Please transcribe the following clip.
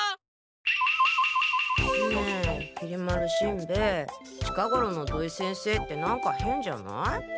ねえきり丸しんべヱ近ごろの土井先生って何かへんじゃない？